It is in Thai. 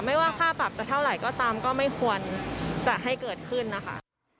ไม่ว่าค่าปรับจะเท่าไหร่ก็ตามก็ไม่ควรจะให้เกิดขึ้นนะคะ